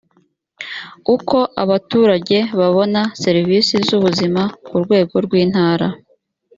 uko abaturage babona serivisi z ubuzima ku rwego rw intara